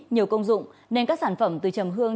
không dùng nên các sản phẩm từ trầm hương